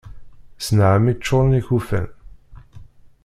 S nnɛami ččuren ikufan.